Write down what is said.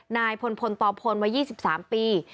นายพลพลตอบพลวัย๒๓ปี